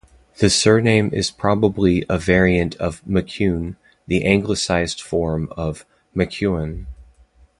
The surname is probably a variant of 'McCune', the Anglicised form of 'MacEoghainn'.